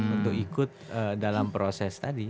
untuk ikut dalam proses tadi